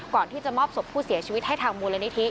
ก่อนที่จะมอบศพผู้เสียชีวิตให้ทางมูลนิธิ